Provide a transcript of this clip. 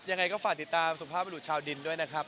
ยังไงก็ฝากติดตามสุภาพบรุษชาวดินด้วยนะครับ